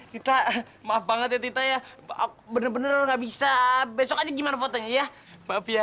tita maaf banget ya tita ya aku bener bener gak bisa besok aja gimana fotonya ya maaf ya